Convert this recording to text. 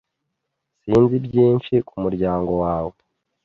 Sinzi byinshi ku muryango wawe.